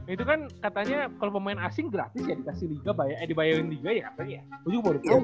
itu kan katanya kalau pemain asing gratis ya dikasih liga dibayarin liga ya apa ya